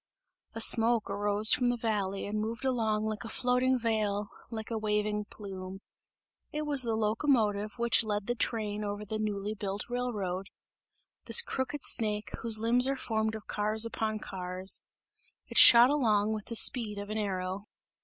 A smoke arose from the valley and moved along like a floating veil, like a waving plume; it was the locomotive which led the train over the newly built railroad this crooked snake, whose limbs are formed of cars upon cars. It shot along with the speed of an arrow.